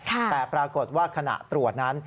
แต่ปรากฏว่าขณะตรวจนั้น